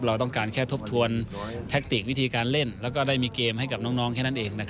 เราต้องการแค่ทบทวนแทคติกวิธีการเล่นแล้วก็ได้มีเกมให้กับน้องแค่นั้นเอง